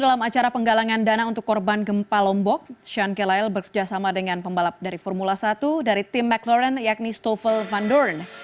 selain acara penggalangan dana untuk korban gempa lombok sean kelail bekerjasama dengan pembalap dari formula satu dari tim mclaren yakni stoffel van doorn